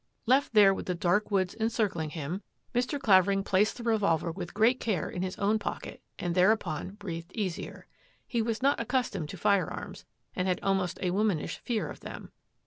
Left there with the dark woods encircling him, CLAVERING MUDDIES HIS BOOTS 1S9 Mr. Clavering placed the revolver with great care in his own pocket and thereupon breathed easier. He was not accustomed to firearms and had almost a womanish fear of them.